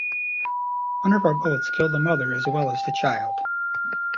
One of our bullets killed the mother as well as the child.